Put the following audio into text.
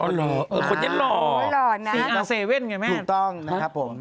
อ๋อเหรอคนนี้หล่อนะครับถูกต้องนะครับผมสี่อาร์เซเว่นไงแม่